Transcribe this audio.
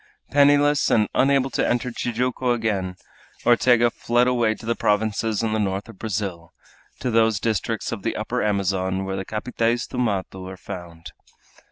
Penniless, and unable to enter Tijuco again, Ortega fled away to the provinces in the north of Brazil, to those districts of the Upper Amazon where the capitaes da mato are to be found.